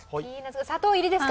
砂糖入りですか？